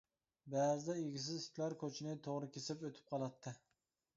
بەزىدە ئىگىسىز ئىتلار كوچىنى توغرا كېسىپ ئۆتۈپ قالاتتى.